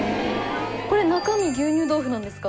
これ中身牛乳豆腐なんですか？